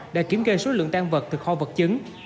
đồng kỳ số lượng tan vật từ kho vật chứng